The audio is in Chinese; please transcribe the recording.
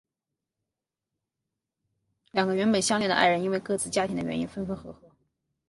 两个原本相恋的爱人因为各自家庭的原因分分合合。